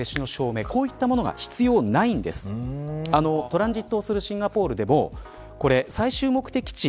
トランジットをするシンガポールでも最終目的地